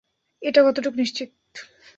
এটা কতটুকু নিশ্চিত?